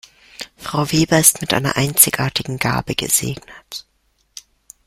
Frau Weber ist mit einer einzigartigen Gabe gesegnet.